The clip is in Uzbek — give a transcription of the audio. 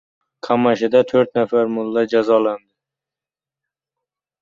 Qamashida to'rt nafar "mulla" jazolandi